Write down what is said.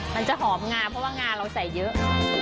มันจะหอมงาเพราะว่างาเราใส่เยอะ